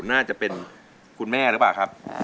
น่าจะเป็นคุณแม่หรือเปล่าครับ